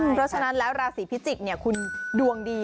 เพราะฉะนั้นลาสีพิจิกคุณดวงดี